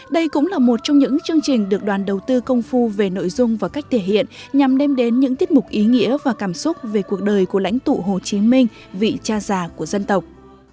đây cũng là một trong những chương trình được đoàn đầu tư công phu về nội dung và cách thể hiện nhằm đem đến những tiết mục ý nghĩa và cảm xúc về cuộc đời của lãnh tụ hồ chí minh vị cha già của dân tộc